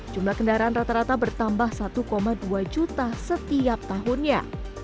jumlah kendaraan rata rata bertambah satu dua juta setiap tahunnya